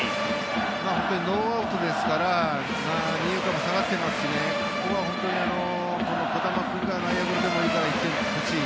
本当にノーアウトですから二遊間も下がってますしここは本当に児玉君が内野ゴロでもいいから１点欲しい。